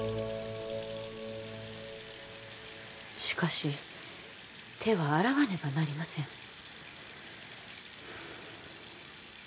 しかし手は洗わねばなりません